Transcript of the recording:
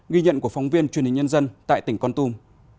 ghi nhận của phóng viên truyền hình nhân dân tại tỉnh con tum